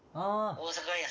大阪や。